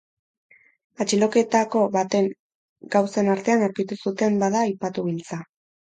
Atxiloetako baten gauzen artean aurkitu zuten, bada, aipatu giltza.